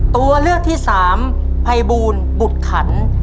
ตัวเลือกที่สามภัยบูลบุตรขัน